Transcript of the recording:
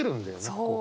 そう。